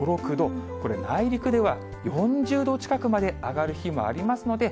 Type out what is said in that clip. これ、内陸では４０度近くまで上がる日もありますので、